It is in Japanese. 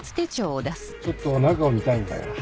ちょっと中を見たいんだが。